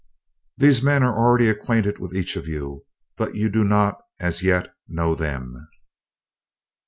"These men are already acquainted with each of you, but you do not as yet know them.